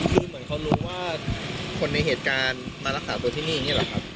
คือเหมือนเขารู้ว่าคนในเหตุการณ์มารักษาตัวที่นี่นี่แหละครับ